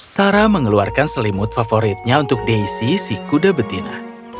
sarah mengeluarkan selimut favoritnya untuk daisy si kuda betina